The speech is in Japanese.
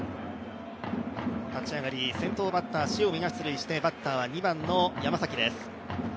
立ち上がり、先頭バッター塩見が出塁してバッターは２番の山崎です。